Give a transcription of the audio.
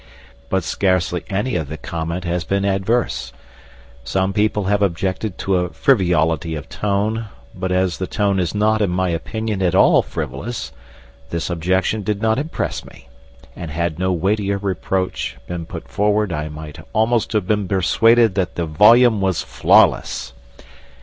But scarcely any of the comment has been adverse. Some people have objected to a frivolity of tone; but as the tone is not, in my opinion, at all frivolous, this objection did not impress me; and had no weightier reproach been put forward I might almost have been persuaded that the volume was flawless!